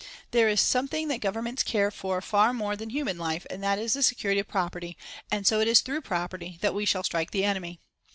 _There is something that governments care far more for than human life, and that is the security of property, and so it is through property that we shall strike the enemy.